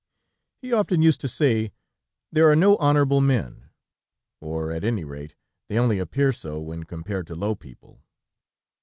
He often used to say: "There are no honorable men, or at any rate, they only appear so when compared to low people."